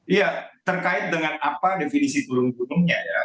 iya terkait dengan apa definisi turun gunungnya ya